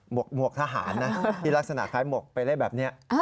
หวกทหารนะที่ลักษณะคล้ายหมวกไปเล่นแบบนี้